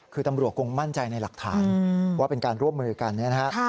คือตำรวจคงมั่นใจในหลักฐานว่าเป็นการร่วมมือกันเนี่ยนะฮะ